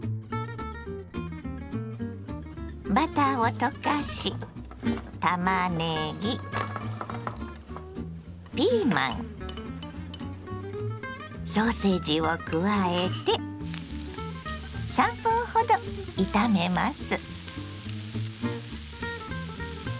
バターを溶かしたまねぎピーマンソーセージを加えて３分ほど炒めます。